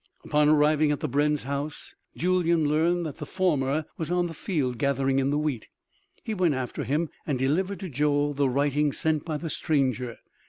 Upon arriving at the brenn's house, Julyan learned that the former was on the field gathering in the wheat. He went after him and delivered to Joel the writing sent by the stranger.